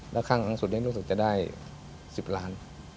แล้วข้างหลังสุดให้รู้สึกจะได้๑๐ล้าน